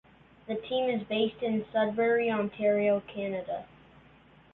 The team is based in Sudbury, Ontario, Canada.